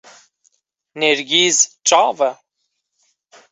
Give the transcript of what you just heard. nêrgîz çav e